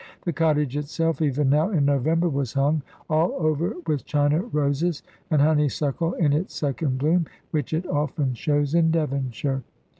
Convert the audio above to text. The cottage itself, even now in November, was hung all over with China roses, and honeysuckle in its second bloom, which it often shows in Devonshire.